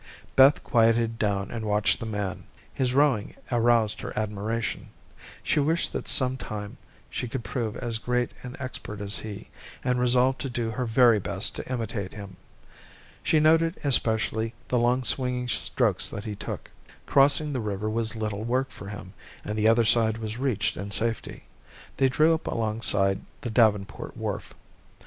Beth quieted down and watched the man. His rowing aroused her admiration. She wished that some time she could prove as great an expert as he, and resolved to do her very best to imitate him. She noted especially, the long swinging strokes that he took. Crossing the river was little work for him, and the other side was reached in safety. They drew up alongside the Davenport wharf.